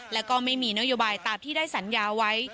และก็ไม่มีนโยบายตามที่ได้สัญญาไว้